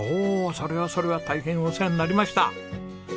それはそれは大変お世話になりました。